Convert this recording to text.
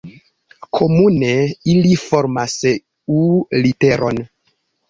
Komune ili formas U-literon.